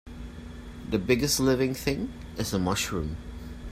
The biggest living thing is a mushroom.